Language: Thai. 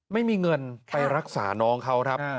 ไม่มีเงินไปรักษาน้องเขาครับ